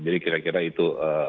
jadi kira kira itu